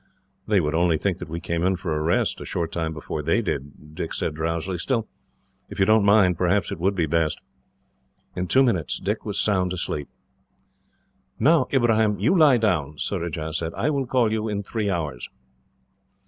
"They would only think we came in for a rest, a short time before they did," Dick said drowsily. "Still, if you don't mind, perhaps it would be best." In two minutes, Dick was sound asleep. "'Now, Ibrahim, you lie down," Surajah said. "I will call you in three hours."